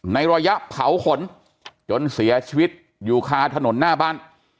ในระยะเผาขนจนเสียชีวิตอยู่คาถนนหน้าบ้าน